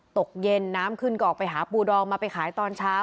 ตกเย็นน้ำขึ้นก็ออกไปหาปูดองมาไปขายตอนเช้า